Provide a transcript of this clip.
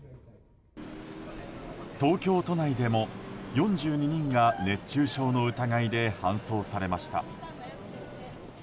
東京都内でも４２人が熱中症の疑いで搬送されました。